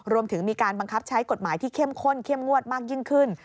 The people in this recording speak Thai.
รวมถึงมีการบังคับใช้กฎหมายที่เข้มข้นเข้มงวดมากยิ่งขึ้น